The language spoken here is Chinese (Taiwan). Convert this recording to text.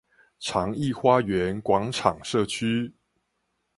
長億花園廣場社區